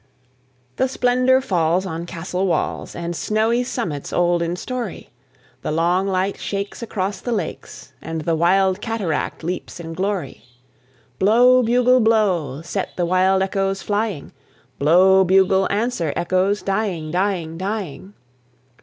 The splendour falls on castle walls And snowy summits old in story: The long light shakes across the lakes And the wild cataract leaps in glory. Blow, bugle, blow, set the wild echoes flying, Blow, bugle; answer, echoes, dying, dying, dying.